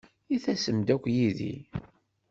I tasem-d akk yid-i?